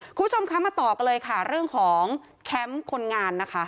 คุณผู้ชมคะมาต่อกันเลยค่ะเรื่องของแคมป์คนงานนะคะ